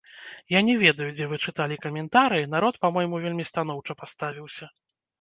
Я не ведаю, дзе вы чыталі каментарыі, народ па-мойму вельмі станоўча паставіўся.